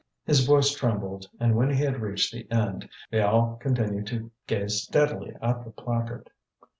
His voice trembled, and when he had reached the end they all continued to gaze steadily at the placard.